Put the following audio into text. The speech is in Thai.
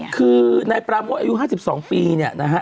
คือนายปราโมทอายุ๕๒ปีเนี่ยนะฮะ